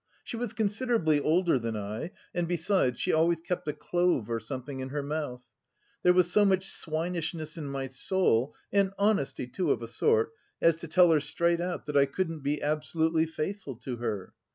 She was considerably older than I, and besides, she always kept a clove or something in her mouth. There was so much swinishness in my soul and honesty too, of a sort, as to tell her straight out that I couldn't be absolutely faithful to her.